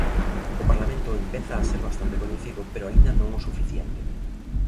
O Parlamento empeza a ser bastante coñecido, pero aínda non o suficiente.